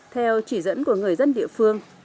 theo chỉ dẫn của người dân địa phương